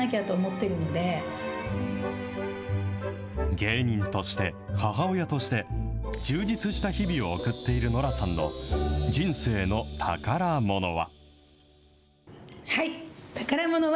芸人として、母親として、充実した日々を送っているノラさんの人生の宝ものは。